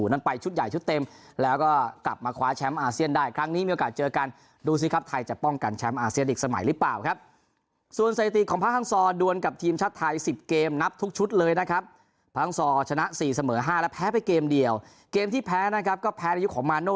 นั้นไปชุดใหญ่ชุดเต็มแล้วก็กลับมาคว้าแชมป์อาเซียนได้ครั้งนี้มีโอกาสเจอกันดูสิครับไทยจะป้องกันแชมป์อาเซียนอีกสมัยหรือเปล่าครับส่วนสถิติของพระฮังซอร์ดวนกับทีมชาติไทย๑๐เกมนับทุกชุดเลยนะครับพังซอร์ชนะ๔เสมอ๕และแพ้ไปเกมเดียวเกมที่แพ้นะครับก็แพ้ในยุคของมาโน่